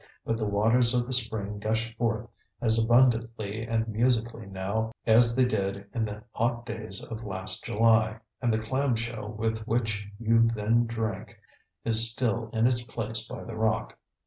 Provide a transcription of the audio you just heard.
But the waters of the spring gush forth as abundantly and musically now as they did in the hot days of last July, and the clam shell with which you then drank is still in its place by the rock.